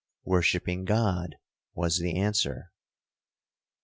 —'Worshipping God,' was the answer.